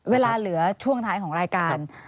เวลาเหลือช่วงอันหลัยของรายการ